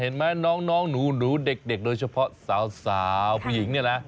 เห็นไหมน้องหนูเด็กโดยเฉพาะสาวผู้หญิงเนี่ยนะ